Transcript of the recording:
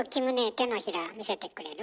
手のひら見せてくれる？